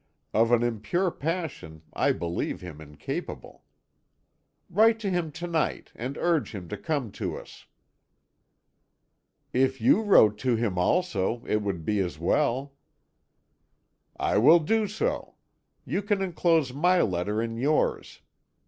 Of an impure passion I believe him incapable. Write to him to night, and urge him to come to us." "If you wrote to him, also, it would be as well." "I will do so; you can enclose my letter in yours.